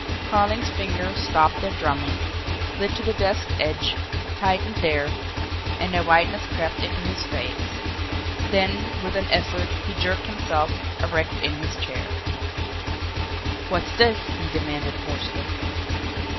Carling's fingers stopped their drumming, slid to the desk edge, tightened there, and a whiteness crept into his face. Then, with an effort, he jerked himself erect in his chair. "What's this?" he demanded hoarsely.